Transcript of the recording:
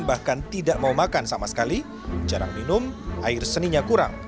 bahkan tidak mau makan sama sekali jarang minum air seninya kurang